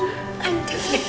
renang punya adik